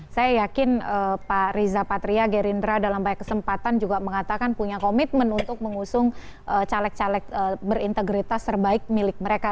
saya yakin pak riza patria gerindra dalam banyak kesempatan juga mengatakan punya komitmen untuk mengusung caleg caleg berintegritas terbaik milik mereka